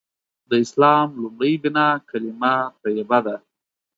د اسلام لومړۍ بناء کلیمه طیبه ده.